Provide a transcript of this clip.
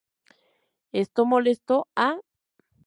Esto molestó a?